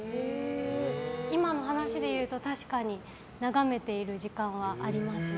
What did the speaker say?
今の話で言うと確かに眺めている時間はありますね。